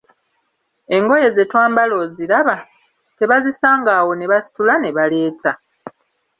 Engoye ze twambala oziraba, tebazisanga awo ne basitula ne baleeta.